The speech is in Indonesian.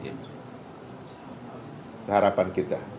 itu harapan kita